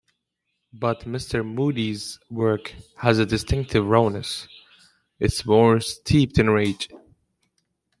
But Mr. Moody's work has a distinctive rawness; it's more steeped in rage.